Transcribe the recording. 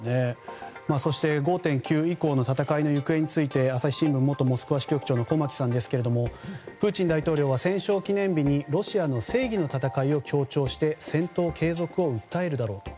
そして５．９以降の戦いの行方について朝日新聞元モスクワ支局長の駒木さんですがプーチン大統領は戦勝記念日にロシアの正義の戦いを強調して戦闘継続を訴えるだろうと。